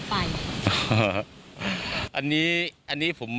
หลักล้านเงินหายไป